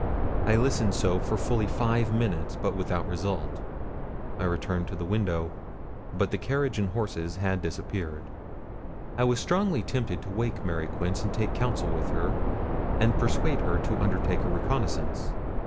I listened so for fully five minutes, but without result. I returned to the window, but the carriage and horses had disappeared. I was strongly tempted to wake Mary Quince, and take counsel with her, and persuade her to undertake a reconnoissance.